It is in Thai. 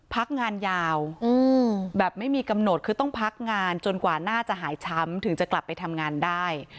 พักงานยาวแบบไม่มีกำหนดคือต้องพักงานจนกว่าหน้าจะหายช้ำถึงจะกลับไปทำงานได้